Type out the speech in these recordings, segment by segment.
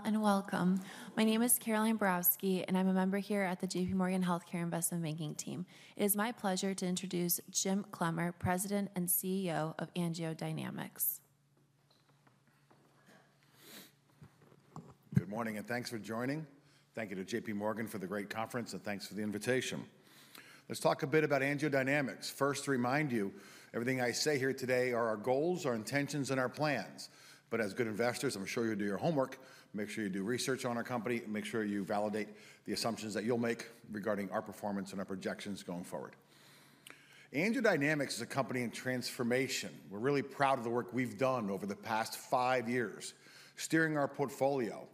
Hi all, and welcome. My name is Caroline Borowski, and I'm a member here at the J.P. Morgan Healthcare Investment Banking team. It is my pleasure to introduce Jim Clemmer, President and CEO of AngioDynamics. Good morning, and thanks for joining. Thank you to J.P. Morgan for the great conference, and thanks for the invitation. Let's talk a bit about AngioDynamics. First, to remind you, everything I say here today are our goals, our intentions, and our plans. But as good investors, I'm sure you'll do your homework, make sure you do research on our company, and make sure you validate the assumptions that you'll make regarding our performance and our projections going forward. AngioDynamics is a company in transformation. We're really proud of the work we've done over the past five years, steering our portfolio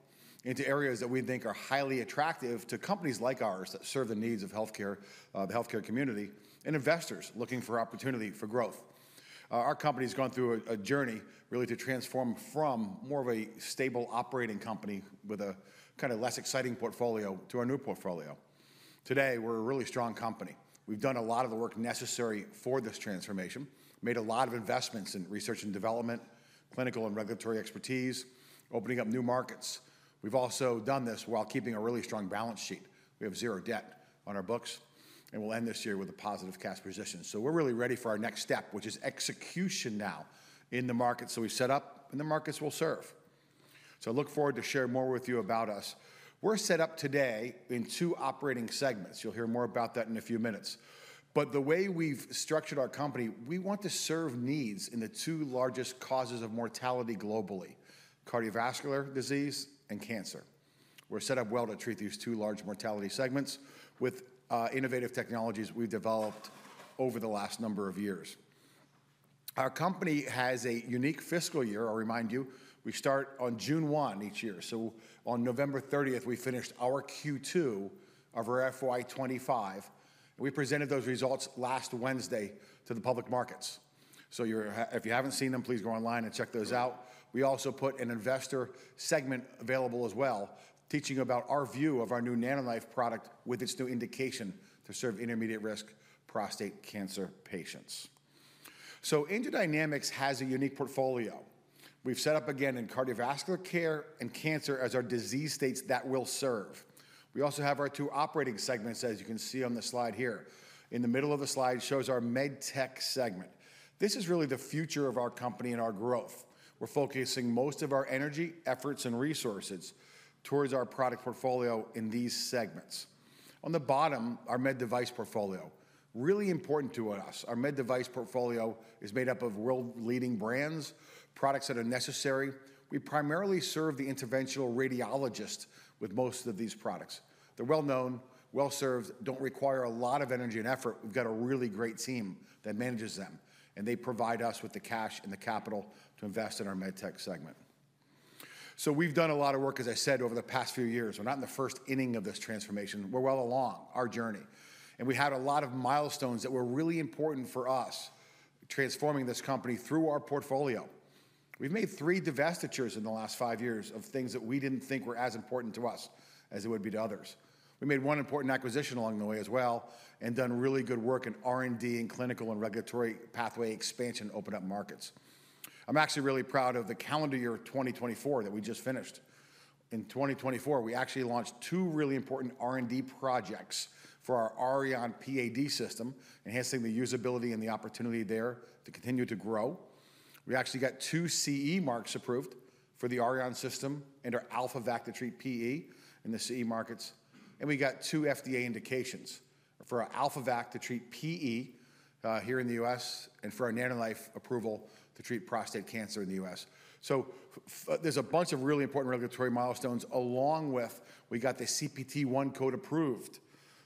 into areas that we think are highly attractive to companies like ours that serve the needs of healthcare, the healthcare community, and investors looking for opportunity for growth. Our company's gone through a journey, really, to transform from more of a stable operating company with a kind of less exciting portfolio to a new portfolio. Today, we're a really strong company. We've done a lot of the work necessary for this transformation, made a lot of investments in research and development, clinical and regulatory expertise, opening up new markets. We've also done this while keeping a really strong balance sheet. We have zero debt on our books, and we'll end this year with a positive cash position. So we're really ready for our next step, which is execution now in the markets that we set up, and the markets will serve. So I look forward to sharing more with you about us. We're set up today in two operating segments. You'll hear more about that in a few minutes. But the way we've structured our company, we want to serve needs in the two largest causes of mortality globally: cardiovascular disease and cancer. We're set up well to treat these two large mortality segments with innovative technologies we've developed over the last number of years. Our company has a unique fiscal year, I'll remind you. We start on June 1 each year. So on November 30th, we finished our Q2 of our FY2025. We presented those results last Wednesday to the public markets. So if you haven't seen them, please go online and check those out. We also put an investor segment available as well, teaching you about our view of our new NanoKnife product with its new indication to serve intermediate-risk prostate cancer patients. So AngioDynamics has a unique portfolio. We've set up, again, in cardiovascular care and cancer as our disease states that we'll serve. We also have our two operating segments, as you can see on the slide here. In the middle of the slide shows our med tech segment. This is really the future of our company and our growth. We're focusing most of our energy, efforts, and resources towards our product portfolio in these segments. On the bottom, our med device portfolio. Really important to us, our med device portfolio is made up of world-leading brands, products that are necessary. We primarily serve the interventional radiologists with most of these products. They're well-known, well-served, don't require a lot of energy and effort. We've got a really great team that manages them, and they provide us with the cash and the capital to invest in our med tech segment. So we've done a lot of work, as I said, over the past few years. We're not in the first inning of this transformation. We're well along our journey. We had a lot of milestones that were really important for us transforming this company through our portfolio. We've made three divestitures in the last five years of things that we didn't think were as important to us as it would be to others. We made one important acquisition along the way as well and done really good work in R&D and clinical and regulatory pathway expansion to open up markets. I'm actually really proud of the calendar year 2024 that we just finished. In 2024, we actually launched two really important R&D projects for our Auryon PAD system, enhancing the usability and the opportunity there to continue to grow. We actually got two CE marks approved for the Auryon system and our AlphaVac to treat PE in the CE markets. And we got two FDA indications for our AlphaVac to treat PE here in the U.S. and for our NanoKnife approval to treat prostate cancer in the U.S. So there's a bunch of really important regulatory milestones, along with we got the CPT code approved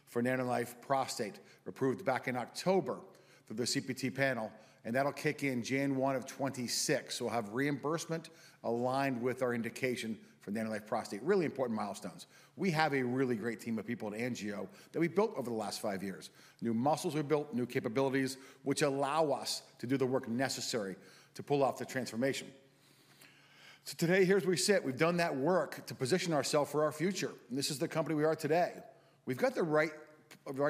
for NanoKnife prostate, approved back in October through the CPT panel, and that'll kick in January of 2026. So we'll have reimbursement aligned with our indication for NanoKnife prostate. Really important milestones. We have a really great team of people at Angio that we built over the last five years. New muscles were built, new capabilities, which allow us to do the work necessary to pull off the transformation. So today, here's where we sit. We've done that work to position ourselves for our future. This is the company we are today. We've got the right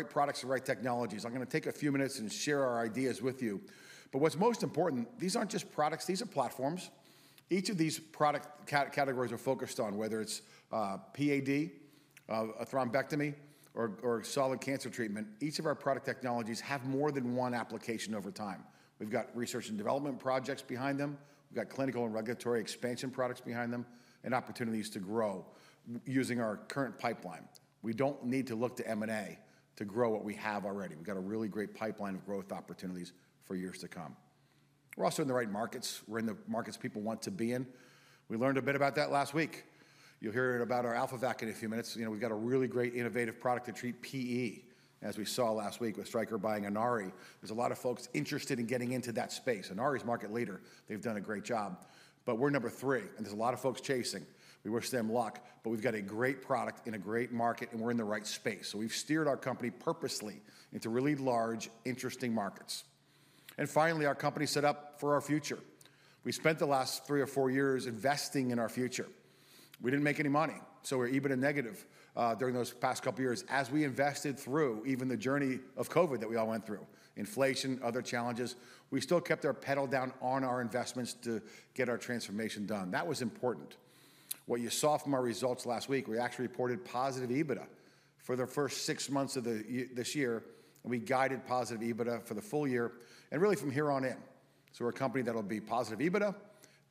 products and right technologies. I'm going to take a few minutes and share our ideas with you. But what's most important, these aren't just products. These are platforms. Each of these product categories are focused on, whether it's PAD, a thrombectomy, or solid cancer treatment, each of our product technologies have more than one application over time. We've got research and development projects behind them. We've got clinical and regulatory expansion products behind them and opportunities to grow using our current pipeline. We don't need to look to M&A to grow what we have already. We've got a really great pipeline of growth opportunities for years to come. We're also in the right markets. We're in the markets people want to be in. We learned a bit about that last week. You'll hear about our AlphaVac in a few minutes. We've got a really great innovative product to treat PE. As we saw last week with Stryker buying Inari, there's a lot of folks interested in getting into that space. Inari is market leader. They've done a great job, but we're number three, and there's a lot of folks chasing. We wish them luck, but we've got a great product in a great market, and we're in the right space, so we've steered our company purposely into really large, interesting markets, and finally, our company's set up for our future. We spent the last three or four years investing in our future. We didn't make any money, so we're even in negative during those past couple of years as we invested through even the journey of COVID that we all went through, inflation, other challenges. We still kept our pedal down on our investments to get our transformation done. That was important. What you saw from our results last week, we actually reported positive EBITDA for the first six months of this year, and we guided positive EBITDA for the full year and really from here on in. So we're a company that'll be positive EBITDA.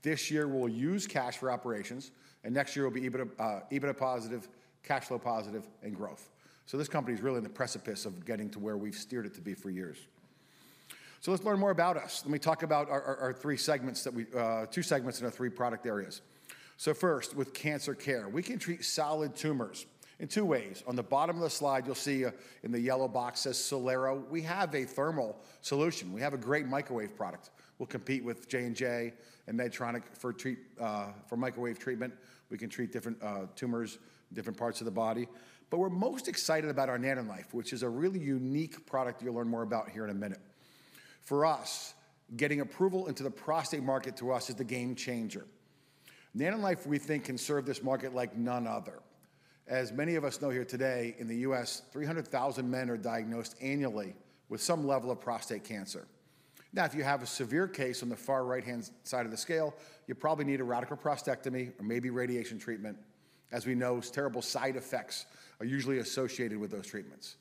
This year, we'll use cash for operations, and next year will be EBITDA positive, cash flow positive, and growth. So this company's really in the precipice of getting to where we've steered it to be for years. So let's learn more about us. Let me talk about our three segments that we two segments in our three product areas. So first, with cancer care, we can treat solid tumors in two ways. On the bottom of the slide, you'll see in the yellow box says Solero. We have a thermal solution. We have a great microwave product. We'll compete with J&J and Medtronic for microwave treatment. We can treat different tumors, different parts of the body. But we're most excited about our NanoKnife, which is a really unique product you'll learn more about here in a minute. For us, getting approval into the prostate market to us is the game changer. NanoKnife, we think, can serve this market like none other. As many of us know here today, in the U.S., 300,000 men are diagnosed annually with some level of prostate cancer. Now, if you have a severe case on the far right-hand side of the scale, you probably need a radical prostatectomy or maybe radiation treatment, as we know terrible side effects are usually associated with those treatments.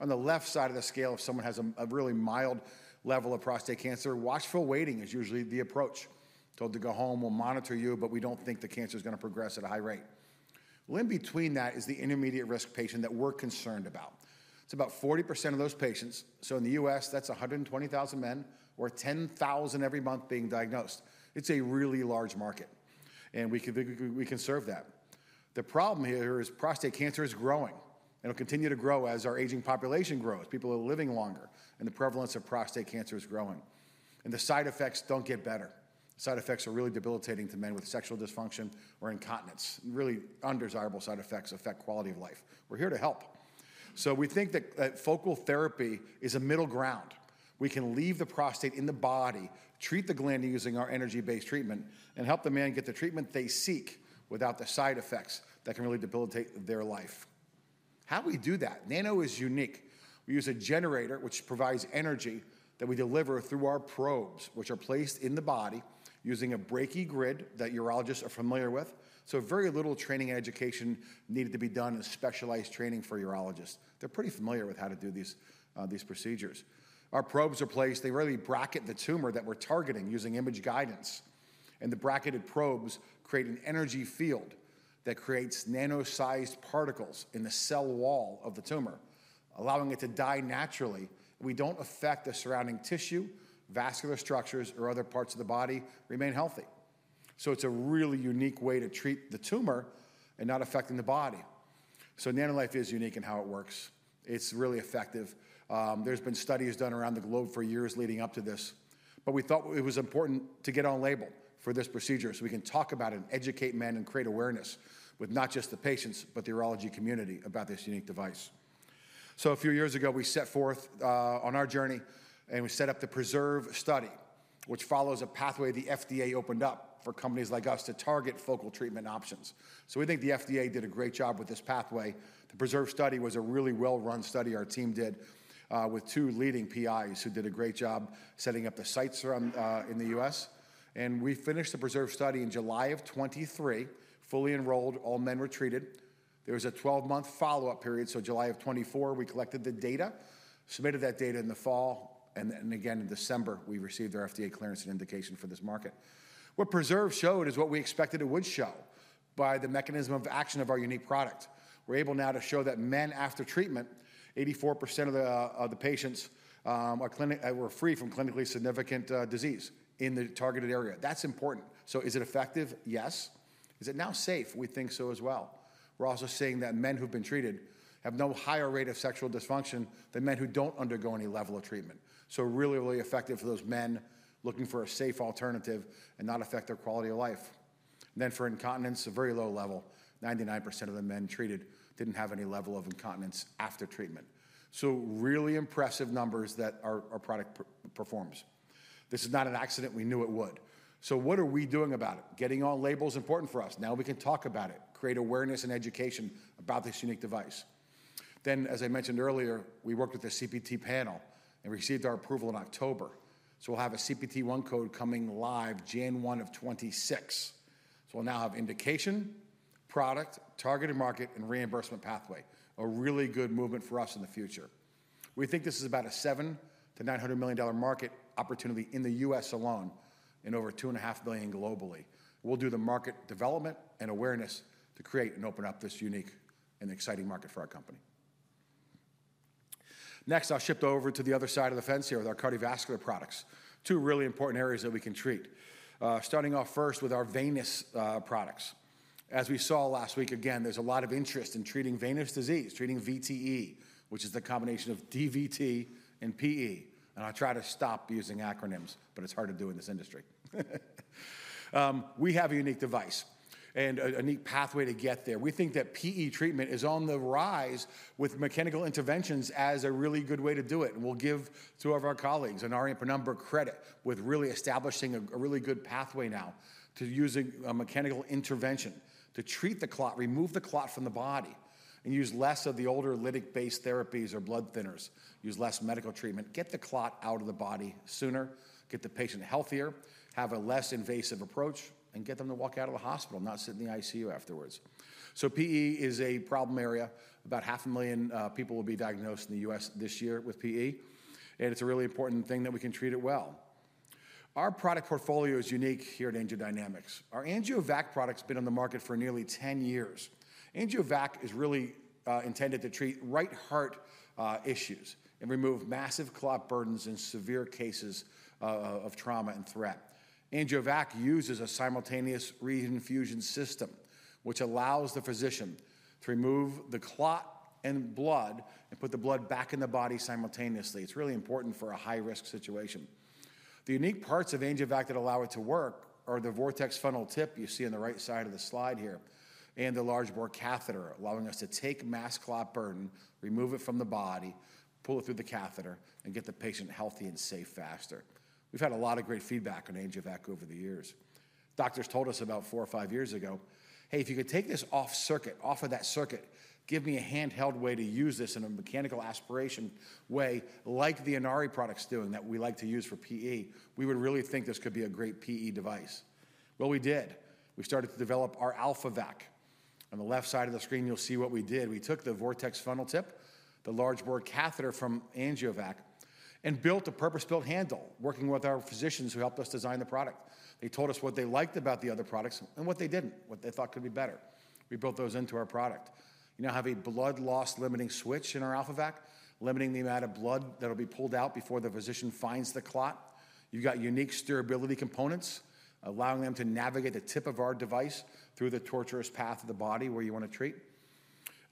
On the left side of the scale, if someone has a really mild level of prostate cancer, watchful waiting is usually the approach. Told to go home, we'll monitor you, but we don't think the cancer's going to progress at a high rate. In between that is the intermediate-risk patient that we're concerned about. It's about 40% of those patients. So in the U.S., that's 120,000 men, or 10,000 every month being diagnosed. It's a really large market, and we can serve that. The problem here is prostate cancer is growing, and it'll continue to grow as our aging population grows. People are living longer, and the prevalence of prostate cancer is growing. The side effects don't get better. Side effects are really debilitating to men with sexual dysfunction or incontinence. Really undesirable side effects affect quality of life. We're here to help. We think that focal therapy is a middle ground. We can leave the prostate in the body, treat the gland using our energy-based treatment, and help the man get the treatment they seek without the side effects that can really debilitate their life. How do we do that? Nano is unique. We use a generator, which provides energy that we deliver through our probes, which are placed in the body using a brachytherapy grid that urologists are familiar with. So very little training and education needed to be done in specialized training for urologists. They're pretty familiar with how to do these procedures. Our probes are placed. They really bracket the tumor that we're targeting using image guidance. And the bracketed probes create an energy field that creates nano-sized particles in the cell wall of the tumor, allowing it to die naturally. We don't affect the surrounding tissue, vascular structures, or other parts of the body. Remain healthy. It's a really unique way to treat the tumor and not affecting the body. NanoKnife is unique in how it works. It's really effective. There's been studies done around the globe for years leading up to this. But we thought it was important to get on label for this procedure so we can talk about it and educate men and create awareness with not just the patients, but the urology community about this unique device. A few years ago, we set forth on our journey, and we set up the PRESERVE study, which follows a pathway the FDA opened up for companies like us to target focal treatment options. We think the FDA did a great job with this pathway. The PRESERVE study was a really well-run study our team did with two leading PIs who did a great job setting up the sites in the U.S., and we finished the PRESERVE study in July of 2023, fully enrolled, all men were treated. There was a 12-month follow-up period. July of 2024, we collected the data, submitted that data in the fall, and then again in December, we received our FDA clearance and indication for this market. What PRESERVE showed is what we expected it would show by the mechanism of action of our unique product. We're able now to show that men after treatment, 84% of the patients were free from clinically significant disease in the targeted area. That's important. Is it effective? Yes. Is it now safe? We think so as well. We're also seeing that men who've been treated have no higher rate of sexual dysfunction than men who don't undergo any level of treatment. So really, really effective for those men looking for a safe alternative and not affect their quality of life. Then for incontinence, a very low level. 99% of the men treated didn't have any level of incontinence after treatment. So really impressive numbers that our product performs. This is not an accident. We knew it would. So what are we doing about it? Getting on label is important for us. Now we can talk about it, create awareness and education about this unique device. Then, as I mentioned earlier, we worked with the CPT panel and received our approval in October. So we'll have a CPT I code coming live January of 2026. So we'll now have indication, product, targeted market, and reimbursement pathway. A really good movement for us in the future. We think this is about a $7-$900 million market opportunity in the U.S. alone and over $2.5 billion globally. We'll do the market development and awareness to create and open up this unique and exciting market for our company. Next, I'll shift over to the other side of the fence here with our cardiovascular products. Two really important areas that we can treat. Starting off first with our venous products. As we saw last week, again, there's a lot of interest in treating venous disease, treating VTE, which is the combination of DVT and PE. I try to stop using acronyms, but it's hard to do in this industry. We have a unique device and a unique pathway to get there. We think that PE treatment is on the rise with mechanical interventions as a really good way to do it. And we'll give two of our colleagues, Inari and Penumbra, credit with really establishing a really good pathway now to using a mechanical intervention to treat the clot, remove the clot from the body, and use less of the older lytic-based therapies or blood thinners, use less medical treatment, get the clot out of the body sooner, get the patient healthier, have a less invasive approach, and get them to walk out of the hospital, not sit in the ICU afterwards. So PE is a problem area. About 500,000 people will be diagnosed in the U.S. this year with PE. And it's a really important thing that we can treat it well. Our product portfolio is unique here at AngioDynamics. Our AngioVac product's been on the market for nearly 10 years. AngioVac is really intended to treat right heart issues and remove massive clot burdens in severe cases of trauma and threat. AngioVac uses a simultaneous re-infusion system, which allows the physician to remove the clot and blood and put the blood back in the body simultaneously. It's really important for a high-risk situation. The unique parts of AngioVac that allow it to work are the vortex funnel tip you see on the right side of the slide here and the large bore catheter allowing us to take mass clot burden, remove it from the body, pull it through the catheter, and get the patient healthy and safe faster. We've had a lot of great feedback on AngioVac over the years. Doctors told us about four or five years ago, "Hey, if you could take this off circuit, off of that circuit, give me a handheld way to use this in a mechanical aspiration way like the Inari product's doing that we like to use for PE. We would really think this could be a great PE device." Well, we did. We started to develop our AlphaVac. On the left side of the screen, you'll see what we did. We took the vortex funnel tip, the large bore catheter from AngioVac, and built a purpose-built handle, working with our physicians who helped us design the product. They told us what they liked about the other products and what they didn't, what they thought could be better. We built those into our product. You now have a blood loss limiting switch in our AlphaVac, limiting the amount of blood that'll be pulled out before the physician finds the clot. You've got unique steerability components allowing them to navigate the tip of our device through the tortuous path of the body where you want to treat.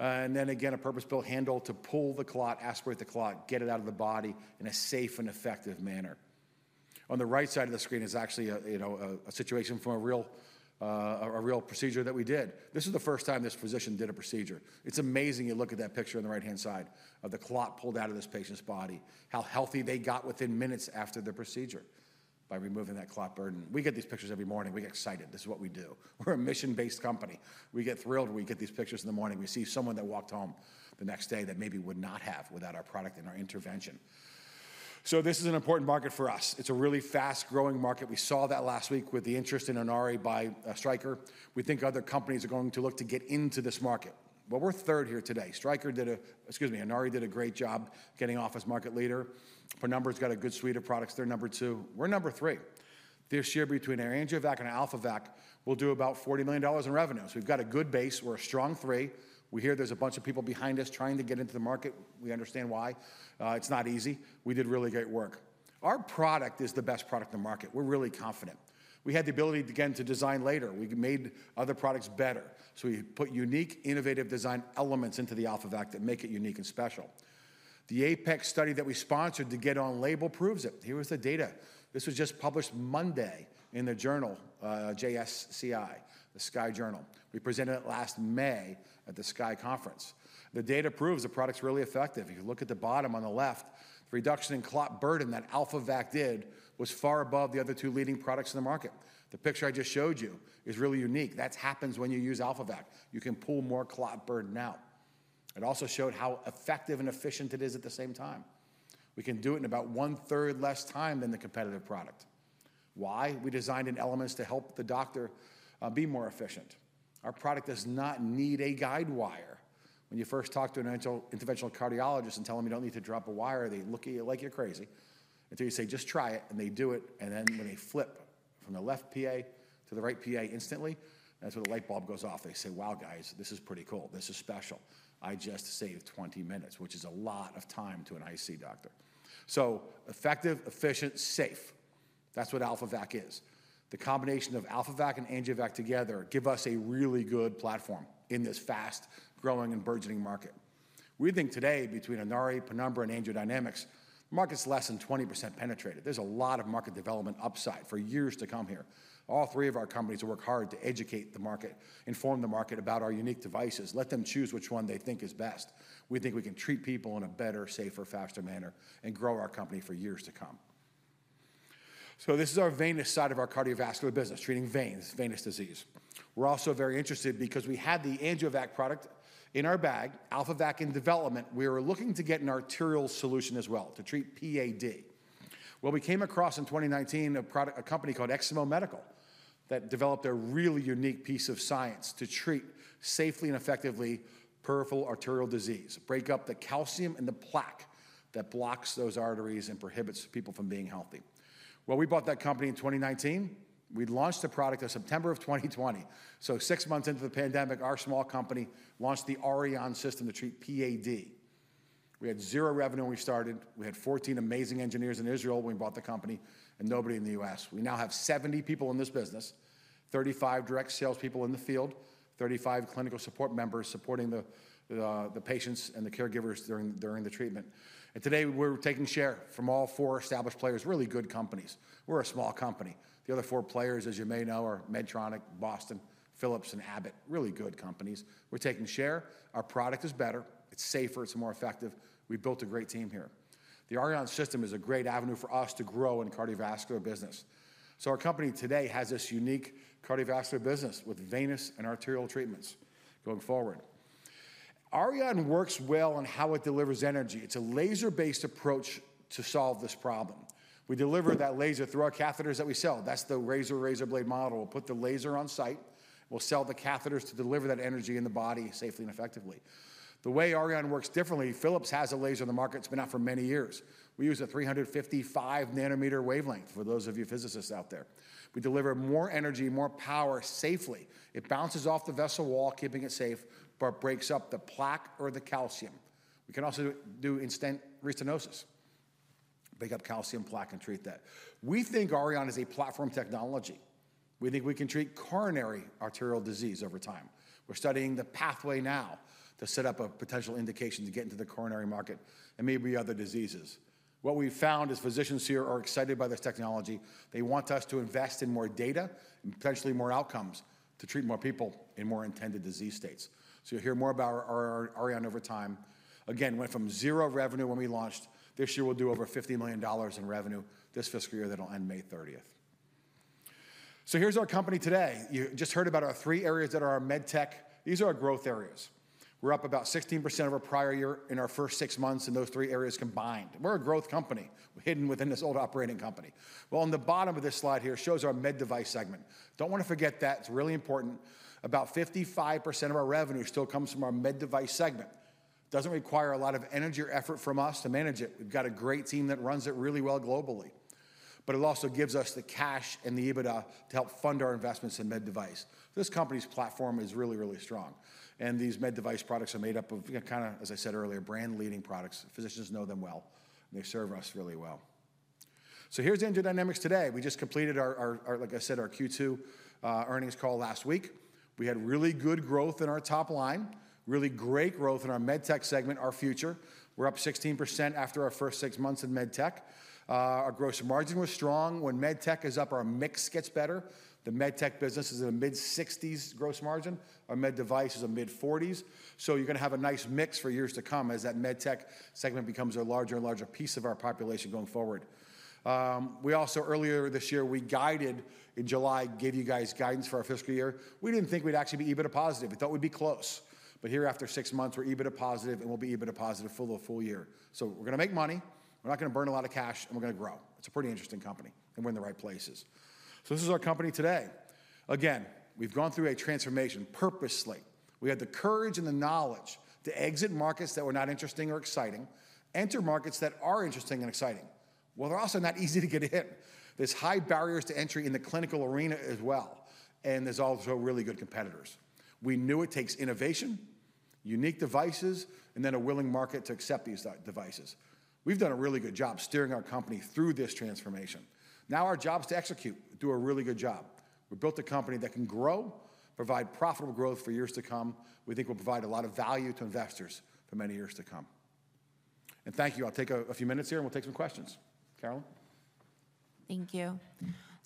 And then again, a purpose-built handle to pull the clot, aspirate the clot, get it out of the body in a safe and effective manner. On the right side of the screen is actually a situation from a real procedure that we did. This is the first time this physician did a procedure. It's amazing, you look at that picture on the right-hand side of the clot pulled out of this patient's body, how healthy they got within minutes after the procedure by removing that clot burden. We get these pictures every morning. We get excited. This is what we do. We're a mission-based company. We get thrilled when we get these pictures in the morning. We see someone that walked home the next day that maybe would not have without our product and our intervention. This is an important market for us. It's a really fast-growing market. We saw that last week with the interest in Inari by Stryker. We think other companies are going to look to get into this market. We're third here today. Stryker did a, excuse me, Inari did a great job getting off as market leader. Penumbra's got a good suite of products. They're number two. We're number three. This year between our AngioVac and our AlphaVac, we'll do about $40 million in revenue. We've got a good base. We're a strong three. We hear there's a bunch of people behind us trying to get into the market. We understand why. It's not easy. We did really great work. Our product is the best product in the market. We're really confident. We had the ability again to design later. We made other products better. So we put unique, innovative design elements into the AlphaVac that make it unique and special. The APEX study that we sponsored to get on label proves it. Here was the data. This was just published Monday in the journal, JSCAI, the SCAI Journal. We presented it last May at the SCAI Conference. The data proves the product's really effective. If you look at the bottom on the left, the reduction in clot burden that AlphaVac did was far above the other two leading products in the market. The picture I just showed you is really unique. That happens when you use AlphaVac. You can pull more clot burden out. It also showed how effective and efficient it is at the same time. We can do it in about one-third less time than the competitive product. Why? We designed in elements to help the doctor be more efficient. Our product does not need a guidewire. When you first talk to an interventional cardiologist and tell them you don't need to drop a wire, they look at you like you're crazy until you say, "Just try it," and they do it. And then when they flip from the left PA to the right PA instantly, that's where the light bulb goes off. They say, "Wow, guys, this is pretty cool. This is special. I just saved 20 minutes," which is a lot of time to an ICU doctor. So effective, efficient, safe. That's what AlphaVac is. The combination of AlphaVac and AngioVac together gives us a really good platform in this fast-growing and burgeoning market. We think today between Inari Medical, Penumbra, and AngioDynamics, the market's less than 20% penetrated. There's a lot of market development upside for years to come here. All three of our companies will work hard to educate the market, inform the market about our unique devices, let them choose which one they think is best. We think we can treat people in a better, safer, faster manner and grow our company for years to come. So this is our venous side of our cardiovascular business, treating veins, venous disease. We're also very interested because we had the AngioVac product in our bag, AlphaVac in development. We were looking to get an arterial solution as well to treat PAD. We came across in 2019 a company called Eximo Medical that developed a really unique piece of science to treat safely and effectively peripheral arterial disease, break up the calcium and the plaque that blocks those arteries and prohibits people from being healthy. Well, we bought that company in 2019. We launched the product in September of 2020. So six months into the pandemic, our small company launched the Auryon system to treat PAD. We had zero revenue when we started. We had 14 amazing engineers in Israel when we bought the company and nobody in the U.S. We now have 70 people in this business, 35 direct salespeople in the field, 35 clinical support members supporting the patients and the caregivers during the treatment. And today we're taking share from all four established players, really good companies. We're a small company. The other four players, as you may know, are Medtronic, Boston, Philips, and Abbott, really good companies. We're taking share. Our product is better. It's safer. It's more effective. We built a great team here. The Auryon system is a great avenue for us to grow in cardiovascular business. So our company today has this unique cardiovascular business with venous and arterial treatments going forward. Auryon works well on how it delivers energy. It's a laser-based approach to solve this problem. We deliver that laser through our catheters that we sell. That's the razor-razor blade model. We'll put the laser on site. We'll sell the catheters to deliver that energy in the body safely and effectively. The way Auryon works differently, Philips has a laser in the market. It's been out for many years. We use a 355-nanometer wavelength for those of you physicists out there. We deliver more energy, more power safely. It bounces off the vessel wall, keeping it safe, but breaks up the plaque or the calcium. We can also do in-stent restenosis, pick up calcium plaque and treat that. We think Auryon is a platform technology. We think we can treat coronary arterial disease over time. We're studying the pathway now to set up a potential indication to get into the coronary market and maybe other diseases. What we found is physicians here are excited by this technology. They want us to invest in more data and potentially more outcomes to treat more people in more intended disease states. So you'll hear more about Auryon over time. Again, went from zero revenue when we launched. This year we'll do over $50 million in revenue this fiscal year that'll end May 30th. So here's our company today. You just heard about our three areas that are our med tech. These are our growth areas. We're up about 16% over prior year in our first six months in those three areas combined. We're a growth company hidden within this old operating company. On the bottom of this slide here shows our med device segment. Don't want to forget that. It's really important. About 55% of our revenue still comes from our med device segment. Doesn't require a lot of energy or effort from us to manage it. We've got a great team that runs it really well globally. But it also gives us the cash and the EBITDA to help fund our investments in med device. This company's platform is really, really strong. These med device products are made up of kind of, as I said earlier, brand-leading products. Physicians know them well. They serve us really well. So here's AngioDynamics today. We just completed, like I said, our Q2 earnings call last week. We had really good growth in our top line, really great growth in our med tech segment, our future. We're up 16% after our first six months in med tech. Our gross margin was strong. When med tech is up, our mix gets better. The med tech business is in the mid-60s gross margin. Our med device is in the mid-40s. So you're going to have a nice mix for years to come as that med tech segment becomes a larger and larger piece of our population going forward. We also, earlier this year, we guided in July, gave you guys guidance for our fiscal year. We didn't think we'd actually be EBITDA positive. We thought we'd be close. But here, after six months, we're EBITDA positive and we'll be EBITDA positive for the full year. So we're going to make money. We're not going to burn a lot of cash, and we're going to grow. It's a pretty interesting company. And we're in the right places. So this is our company today. Again, we've gone through a transformation purposely. We had the courage and the knowledge to exit markets that were not interesting or exciting, enter markets that are interesting and exciting. Well, they're also not easy to get in. There's high barriers to entry in the clinical arena as well. And there's also really good competitors. We knew it takes innovation, unique devices, and then a willing market to accept these devices. We've done a really good job steering our company through this transformation. Now our job's to execute, do a really good job. We've built a company that can grow, provide profitable growth for years to come. We think we'll provide a lot of value to investors for many years to come. And thank you. I'll take a few minutes here and we'll take some questions. Caroline? Thank you.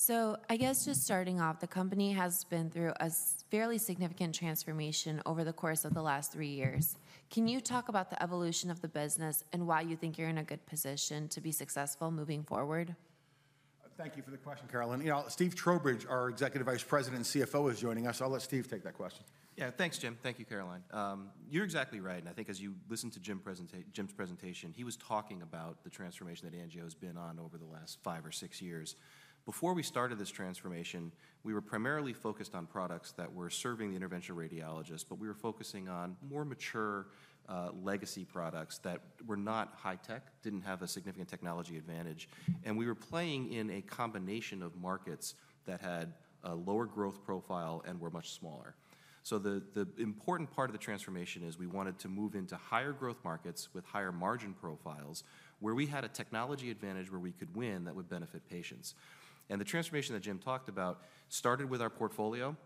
So I guess just starting off, the company has been through a fairly significant transformation over the course of the last three years. Can you talk about the evolution of the business and why you think you're in a good position to be successful moving forward? Thank you for the question, Caroline. Steve Trowbridge, our Executive Vice President and CFO, is joining us. I'll let Steve take that question. Yeah, thanks, Jim. Thank you, Caroline. You're exactly right. I think as you listen to Jim's presentation, he was talking about the transformation that Angio has been on over the last five or six years. Before we started this transformation, we were primarily focused on products that were serving the interventional radiologists, but we were focusing on more mature legacy products that were not high-tech, didn't have a significant technology advantage. We were playing in a combination of markets that had a lower growth profile and were much smaller. The important part of the transformation is we wanted to move into higher growth markets with higher margin profiles where we had a technology advantage where we could win that would benefit patients. And the transformation that Jim talked about started with our portfolio,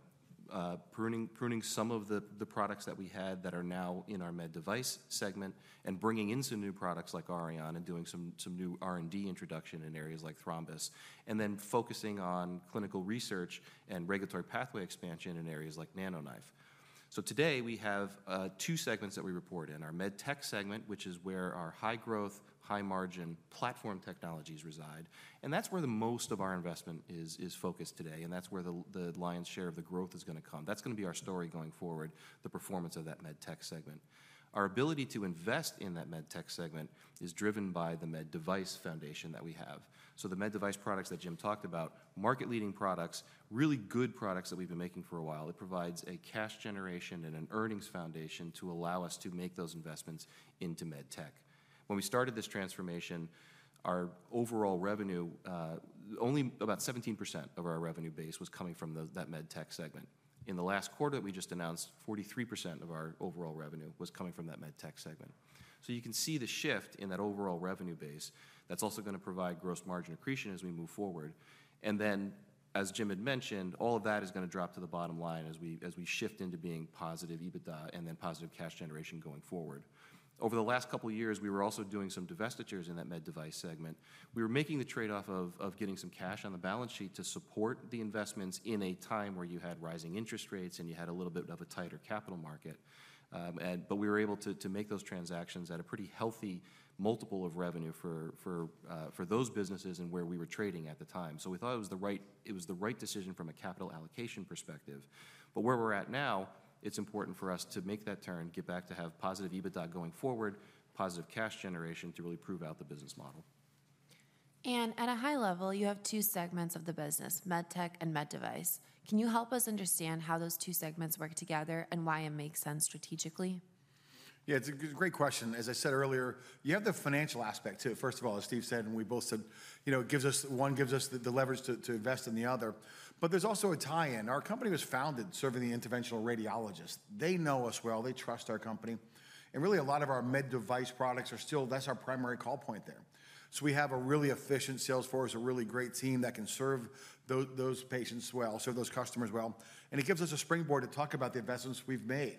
pruning some of the products that we had that are now in our med device segment and bringing in some new products like Auryon and doing some new R&D introduction in areas like thrombus, and then focusing on clinical research and regulatory pathway expansion in areas like NanoKnife. So today we have two segments that we report in. Our med tech segment, which is where our high-growth, high-margin platform technologies reside. And that's where the most of our investment is focused today. And that's where the lion's share of the growth is going to come. That's going to be our story going forward, the performance of that med tech segment. Our ability to invest in that med tech segment is driven by the med device foundation that we have. So the med device products that Jim talked about, market-leading products, really good products that we've been making for a while, it provides a cash generation and an earnings foundation to allow us to make those investments into med tech. When we started this transformation, our overall revenue, only about 17% of our revenue base was coming from that med tech segment. In the last quarter that we just announced, 43% of our overall revenue was coming from that med tech segment. So you can see the shift in that overall revenue base. That's also going to provide gross margin accretion as we move forward. And then, as Jim had mentioned, all of that is going to drop to the bottom line as we shift into being positive EBITDA and then positive cash generation going forward. Over the last couple of years, we were also doing some divestitures in that med device segment. We were making the trade-off of getting some cash on the balance sheet to support the investments in a time where you had rising interest rates and you had a little bit of a tighter capital market, but we were able to make those transactions at a pretty healthy multiple of revenue for those businesses and where we were trading at the time, so we thought it was the right decision from a capital allocation perspective, but where we're at now, it's important for us to make that turn, get back to have positive EBITDA going forward, positive cash generation to really prove out the business model. And at a high level, you have two segments of the business, med tech and med device. Can you help us understand how those two segments work together and why it makes sense strategically? Yeah, it's a great question. As I said earlier, you have the financial aspect too. First of all, as Steve said, and we both said, it gives us one gives us the leverage to invest in the other. But there's also a tie-in. Our company was founded serving the interventional radiologists. They know us well. They trust our company. And really, a lot of our med device products are still, that's our primary call point there. So we have a really efficient sales force, a really great team that can serve those patients well, serve those customers well. And it gives us a springboard to talk about the investments we've made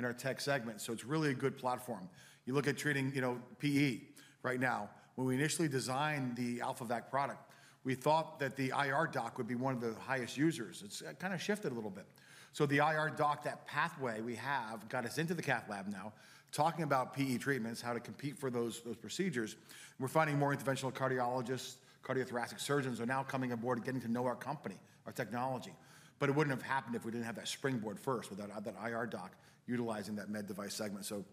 in our tech segment. So it's really a good platform. You look at treating PE right now. When we initially designed the AlphaVac product, we thought that the IR doc would be one of the highest users. It's kind of shifted a little bit, so the IR doc, that pathway we have, got us into the cath lab now, talking about PE treatments, how to compete for those procedures. We're finding more interventional cardiologists, cardiothoracic surgeons are now coming aboard and getting to know our company, our technology, but it wouldn't have happened if we didn't have that springboard first without that IR doc utilizing that med device segment. So,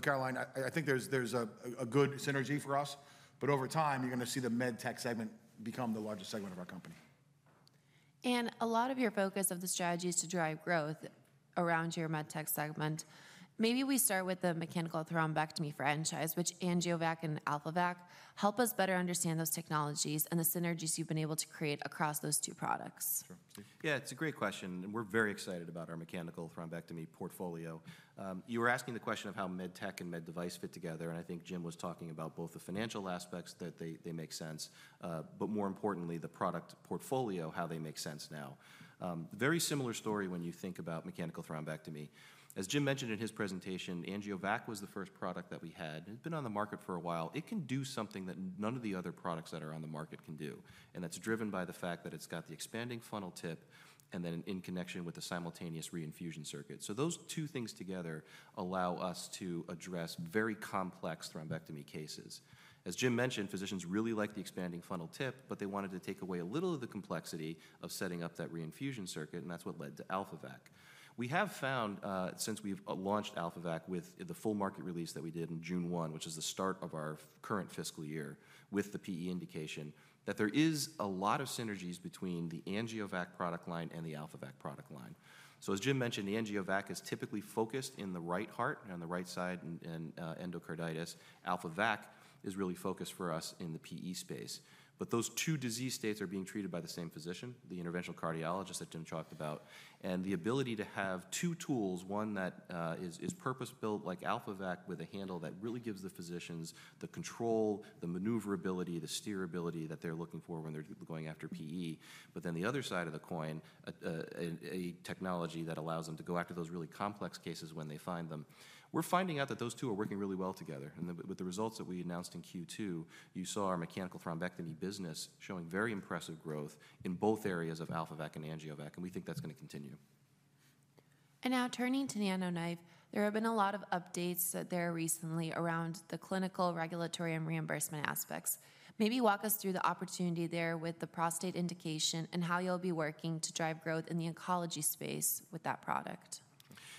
Caroline, I think there's a good synergy for us, but over time, you're going to see the med tech segment become the largest segment of our company. And a lot of your focus of the strategy is to drive growth around your med tech segment. Maybe we start with the mechanical thrombectomy franchise, which AngioVac and AlphaVac help us better understand those technologies and the synergies you've been able to create across those two products. Yeah, it's a great question, and we're very excited about our mechanical thrombectomy portfolio. You were asking the question of how med tech and med device fit together, and I think Jim was talking about both the financial aspects that they make sense, but more importantly, the product portfolio, how they make sense now. Very similar story when you think about mechanical thrombectomy. As Jim mentioned in his presentation, AngioVac was the first product that we had. It's been on the market for a while. It can do something that none of the other products that are on the market can do. And that's driven by the fact that it's got the expanding funnel tip and then in connection with the simultaneous re-infusion circuit. So those two things together allow us to address very complex thrombectomy cases. As Jim mentioned, physicians really liked the expanding funnel tip, but they wanted to take away a little of the complexity of setting up that re-infusion circuit. And that's what led to AlphaVac. We have found, since we've launched AlphaVac with the full market release that we did in June 1, which is the start of our current fiscal year with the PE indication, that there is a lot of synergies between the AngioVac product line and the AlphaVac product line. So, as Jim mentioned, the AngioVac is typically focused in the right heart and on the right side and endocarditis. AlphaVac is really focused for us in the PE space. But those two disease states are being treated by the same physician, the interventional cardiologist that Jim talked about, and the ability to have two tools, one that is purpose-built like AlphaVac with a handle that really gives the physicians the control, the maneuverability, the steerability that they're looking for when they're going after PE. But then the other side of the coin, a technology that allows them to go after those really complex cases when they find them. We're finding out that those two are working really well together. And with the results that we announced in Q2, you saw our mechanical thrombectomy business showing very impressive growth in both areas of AlphaVac and AngioVac. And we think that's going to continue. And now turning to NanoKnife, there have been a lot of updates there recently around the clinical regulatory and reimbursement aspects. Maybe walk us through the opportunity there with the prostate indication and how you'll be working to drive growth in the oncology space with that product.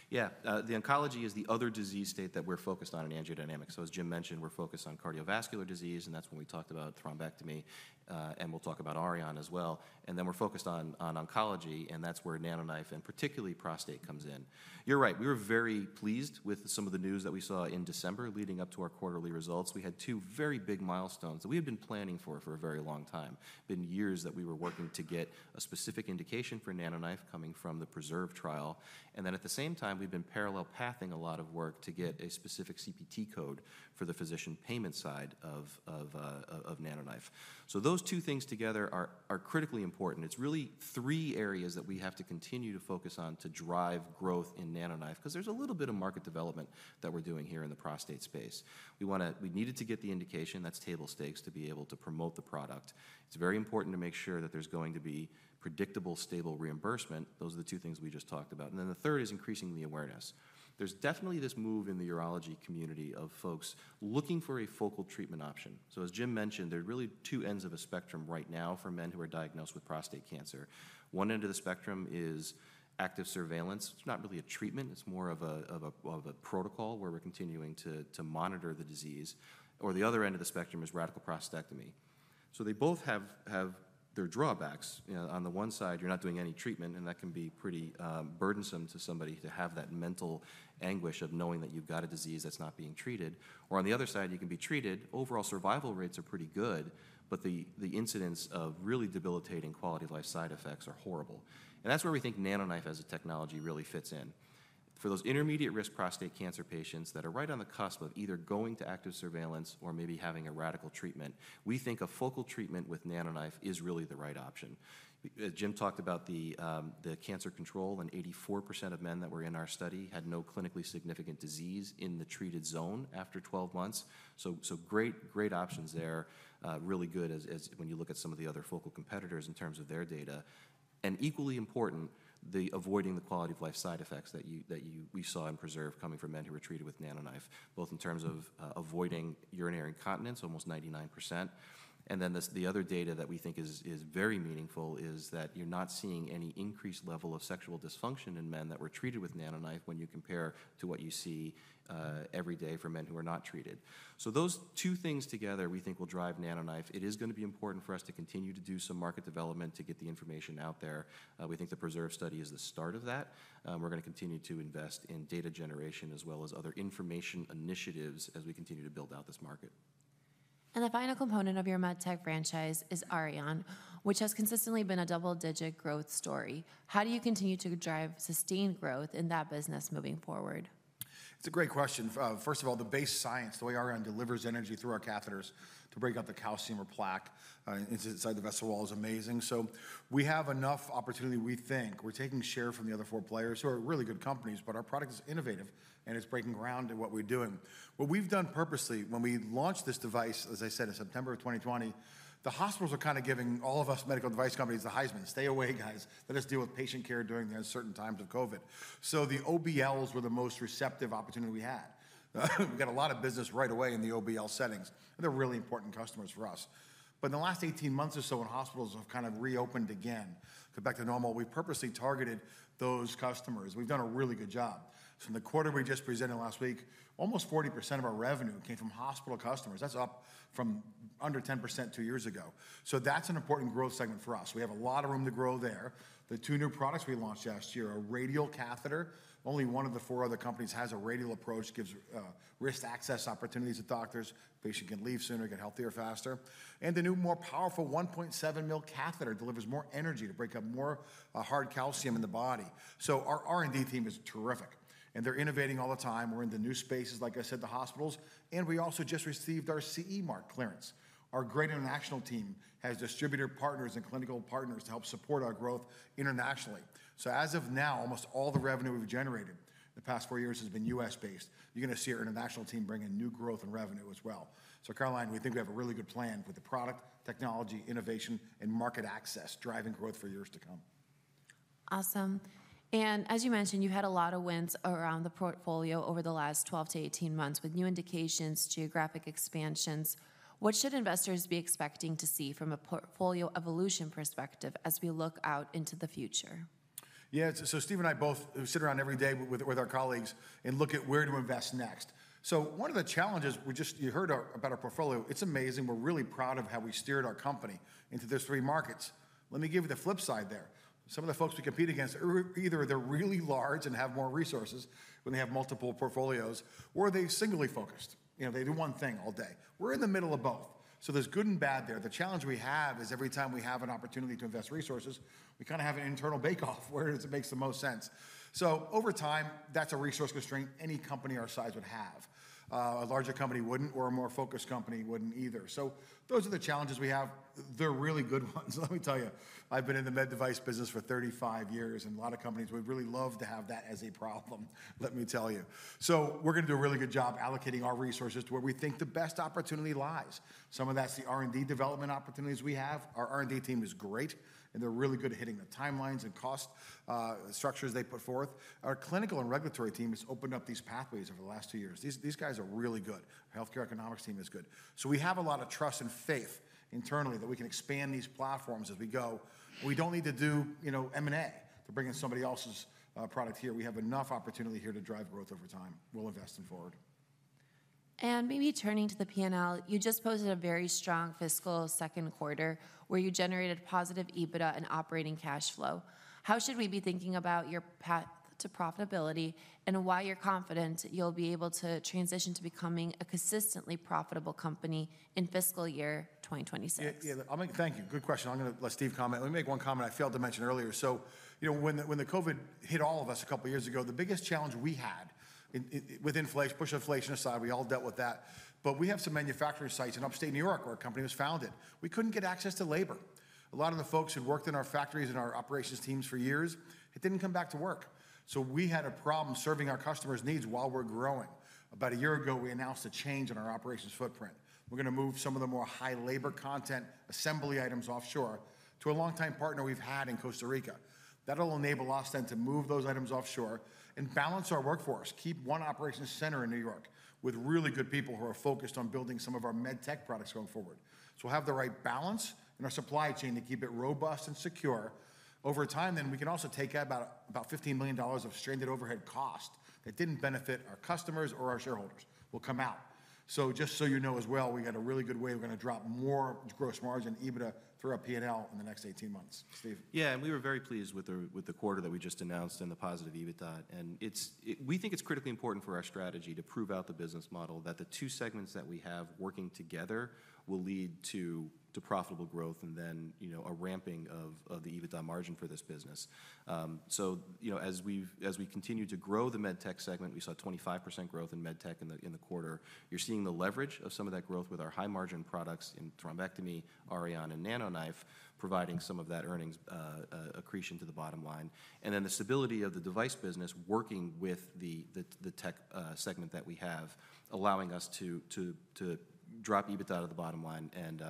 Yeah, the oncology is the other disease state that we're focused on in AngioDynamics. As Jim mentioned, we're focused on cardiovascular disease, and that's when we talked about thrombectomy. We'll talk about Auryon as well. Then we're focused on oncology, and that's where NanoKnife and particularly prostate comes in. You're right. We were very pleased with some of the news that we saw in December leading up to our quarterly results. We had two very big milestones that we had been planning for for a very long time. It's been years that we were working to get a specific indication for NanoKnife coming from the PRESERVE trial. And then at the same time, we've been parallel pathing a lot of work to get a specific CPT code for the physician payment side of NanoKnife. So those two things together are critically important. It's really three areas that we have to continue to focus on to drive growth in NanoKnife because there's a little bit of market development that we're doing here in the prostate space. We needed to get the indication. That's table stakes to be able to promote the product. It's very important to make sure that there's going to be predictable, stable reimbursement. Those are the two things we just talked about. And then the third is increasing the awareness. There's definitely this move in the urology community of folks looking for a focal treatment option. As Jim mentioned, there are really two ends of a spectrum right now for men who are diagnosed with prostate cancer. One end of the spectrum is active surveillance. It's not really a treatment. It's more of a protocol where we're continuing to monitor the disease. Or the other end of the spectrum is radical prostatectomy. So they both have their drawbacks. On the one side, you're not doing any treatment, and that can be pretty burdensome to somebody to have that mental anguish of knowing that you've got a disease that's not being treated. Or on the other side, you can be treated, overall survival rates are pretty good, but the incidence of really debilitating quality of life side effects are horrible. And that's where we think NanoKnife as a technology really fits in. For those intermediate risk prostate cancer patients that are right on the cusp of either going to active surveillance or maybe having a radical treatment, we think a focal treatment with NanoKnife is really the right option. Jim talked about the cancer control, and 84% of men that were in our study had no clinically significant disease in the treated zone after 12 months. So great options there, really good when you look at some of the other focal competitors in terms of their data. And equally important, the avoiding the quality of life side effects that we saw in PRESERVE coming from men who were treated with NanoKnife, both in terms of avoiding urinary incontinence, almost 99%. Then the other data that we think is very meaningful is that you're not seeing any increased level of sexual dysfunction in men that were treated with NanoKnife when you compare to what you see every day for men who are not treated. Those two things together, we think will drive NanoKnife. It is going to be important for us to continue to do some market development to get the information out there. We think the PRESERVE study is the start of that. We're going to continue to invest in data generation as well as other information initiatives as we continue to build out this market. The final component of your med tech franchise is Auryon, which has consistently been a double-digit growth story. How do you continue to drive sustained growth in that business moving forward? It's a great question. First of all, the base science, the way Auryon delivers energy through our catheters to break up the calcium or plaque inside the vessel wall is amazing. So we have enough opportunity, we think. We're taking share from the other four players who are really good companies, but our product is innovative and it's breaking ground in what we're doing. What we've done purposely when we launched this device, as I said, in September of 2020, the hospitals were kind of giving all of us medical device companies the Heisman. Stay away, guys. Let us deal with patient care during the uncertain times of COVID. So the OBLs were the most receptive opportunity we had. We got a lot of business right away in the OBL settings. They're really important customers for us. But in the last 18 months or so, when hospitals have kind of reopened again and got back to normal, we've purposely targeted those customers. We've done a really good job. So in the quarter we just presented last week, almost 40% of our revenue came from hospital customers. That's up from under 10% two years ago. So that's an important growth segment for us. We have a lot of room to grow there. The two new products we launched last year are radial catheter. Only one of the four other companies has a radial approach, gives wrist access opportunities to doctors. Patient can leave sooner, get healthier faster. And the new, more powerful 1.7 mm catheter delivers more energy to break up more hard calcium in the body. So our R&D team is terrific. And they're innovating all the time. We're in the new spaces, like I said, the hospitals. And we also just received our CE mark clearance. Our great international team has distributor partners and clinical partners to help support our growth internationally. So as of now, almost all the revenue we've generated in the past four years has been U.S.-based. You're going to see our international team bringing new growth and revenue as well. So, Caroline, we think we have a really good plan with the product, technology, innovation, and market access driving growth for years to come. Awesome. And as you mentioned, you've had a lot of wins around the portfolio over the last 12-18 months with new indications, geographic expansions. What should investors be expecting to see from a portfolio evolution perspective as we look out into the future? Yeah, so Steve and I both sit around every day with our colleagues and look at where to invest next. So one of the challenges we just, you heard about our portfolio. It's amazing. We're really proud of how we steered our company into these three markets. Let me give you the flip side there. Some of the folks we compete against, either they're really large and have more resources when they have multiple portfolios, or they're singly focused. They do one thing all day. We're in the middle of both. So there's good and bad there. The challenge we have is every time we have an opportunity to invest resources, we kind of have an internal bake-off where it makes the most sense. So over time, that's a resource constraint any company our size would have. A larger company wouldn't, or a more focused company wouldn't either. So those are the challenges we have. They're really good ones. Let me tell you, I've been in the med device business for 35 years, and a lot of companies, we'd really love to have that as a problem, let me tell you. So we're going to do a really good job allocating our resources to where we think the best opportunity lies. Some of that's the R&D development opportunities we have. Our R&D team is great, and they're really good at hitting the timelines and cost structures they put forth. Our clinical and regulatory team has opened up these pathways over the last two years. These guys are really good. Our healthcare economics team is good. So we have a lot of trust and faith internally that we can expand these platforms as we go. We don't need to do M&A to bring in somebody else's product here. We have enough opportunity here to drive growth over time. We'll invest them forward And maybe turning to the P&L, you just posted a very strong fiscal second quarter where you generated positive EBITDA and operating cash flow. How should we be thinking about your path to profitability and why you're confident you'll be able to transition to becoming a consistently profitable company in fiscal year 2026? Yeah, I mean, thank you. Good question. I'm going to let Steve comment. Let me make one comment I failed to mention earlier. So when the COVID hit all of us a couple of years ago, the biggest challenge we had with inflation, push inflation aside, we all dealt with that. But we have some manufacturing sites in Upstate New York where a company was founded. We couldn't get access to labor. A lot of the folks who worked in our factories and our operations teams for years, it didn't come back to work. So we had a problem serving our customers' needs while we're growing. About a year ago, we announced a change in our operations footprint. We're going to move some of the more high labor content assembly items offshore to a longtime partner we've had in Costa Rica. That'll enable us then to move those items offshore and balance our workforce, keep one operations center in New York with really good people who are focused on building some of our med tech products going forward. So we'll have the right balance in our supply chain to keep it robust and secure. Over time, then we can also take out about $15 million of stranded overhead cost that didn't benefit our customers or our shareholders will come out. So just so you know as well, we had a really good way we're going to drop more gross margin EBITDA through our P&L in the next 18 months, Steve. Yeah, and we were very pleased with the quarter that we just announced and the positive EBITDA. And we think it's critically important for our strategy to prove out the business model that the two segments that we have working together will lead to profitable growth and then a ramping of the EBITDA margin for this business. So as we continue to grow the med tech segment, we saw 25% growth in med tech in the quarter. You're seeing the leverage of some of that growth with our high margin products in thrombectomy, Auryon, and NanoKnife providing some of that earnings accretion to the bottom line. The stability of the device business working with the tech segment that we have, allowing us to drop EBITDA out of the bottom line and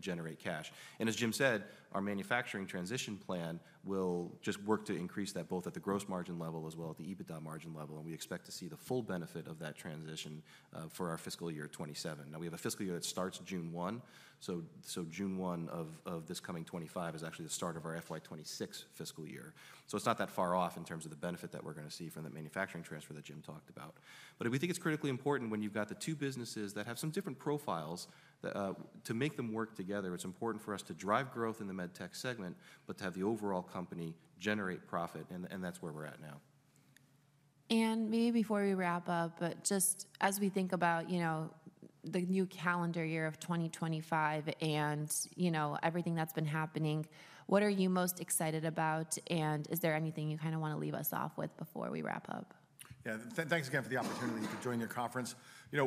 generate cash. As Jim said, our manufacturing transition plan will just work to increase that both at the gross margin level as well as the EBITDA margin level. We expect to see the full benefit of that transition for our fiscal year 2027. Now, we have a fiscal year that starts June 1. So June 1 of this coming 2025 is actually the start of our FY2026 fiscal year. It's not that far off in terms of the benefit that we're going to see from the manufacturing transfer that Jim talked about. We think it's critically important when you've got the two businesses that have some different profiles to make them work together. It's important for us to drive growth in the med tech segment, but to have the overall company generate profit. And that's where we're at now. And maybe before we wrap up, but just as we think about the new calendar year of 2025 and everything that's been happening, what are you most excited about? And is there anything you kind of want to leave us off with before we wrap up? Yeah, thanks again for the opportunity to join your conference.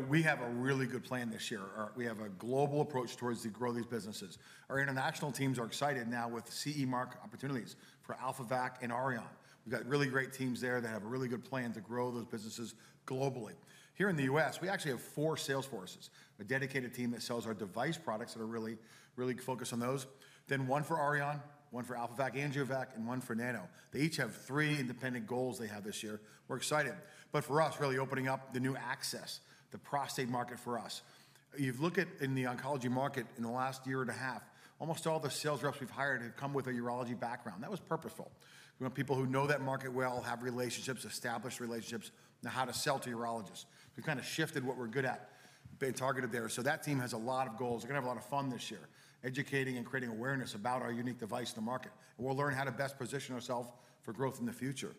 We have a really good plan this year. We have a global approach towards the growth of these businesses. Our international teams are excited now with CE mark opportunities for AlphaVac and Auryon. We've got really great teams there that have a really good plan to grow those businesses globally. Here in the U.S., we actually have four sales forces, a dedicated team that sells our device products that are really focused on those. Then one for Auryon, one for AlphaVac, AngioVac, and one for Nano. They each have three independent goals they have this year. We're excited, but for us, really opening up the new access, the prostate market for us. You look at, in the oncology market in the last year and a half, almost all the sales reps we've hired have come with a urology background. That was purposeful. We want people who know that market well, have relationships, established relationships, know how to sell to urologists. We've kind of shifted what we're good at and targeted there. So that team has a lot of goals. We're going to have a lot of fun this year, educating and creating awareness about our unique device in the market. We'll learn how to best position ourselves for growth in the future.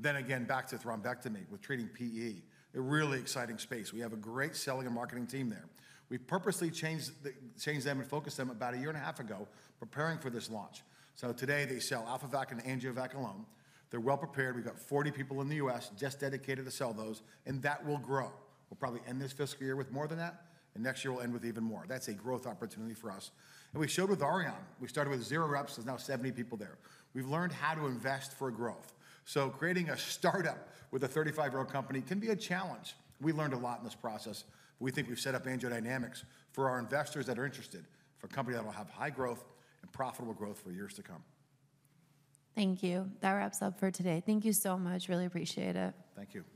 Then again, back to thrombectomy with treating PE. A really exciting space. We have a great selling and marketing team there. We purposely changed them and focused them about a year and a half ago, preparing for this launch. So today they sell AlphaVac and AngioVac alone. They're well prepared. We've got 40 people in the U.S. just dedicated to sell those, and that will grow. We'll probably end this fiscal year with more than that, and next year we'll end with even more. That's a growth opportunity for us, and we showed with Auryon. We started with zero reps. There's now 70 people there. We've learned how to invest for growth, so creating a startup with a 35-year-old company can be a challenge. We learned a lot in this process. We think we've set up AngioDynamics for our investors that are interested for a company that will have high growth and profitable growth for years to come. Thank you. That wraps up for today. Thank you so much. Really appreciate it. Thank you.